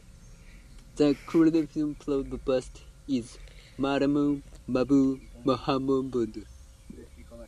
The current Provost is Malam Madu Mohammed.